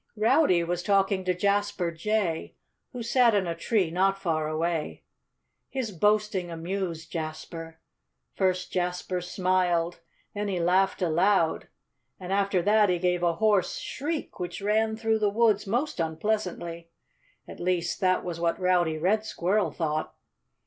Rowdy was talking to Jasper Jay, who sat in a tree not far away. His boasting amused Jasper. First Jasper smiled. Then he laughed aloud. And after that he gave a hoarse shriek, which rang through the woods most unpleasantly. At least, that was what Rowdy Red Squirrel thought.